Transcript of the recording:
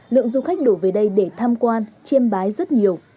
lượng du khách đổ về đây để tham quan chiêm bái rất nhiều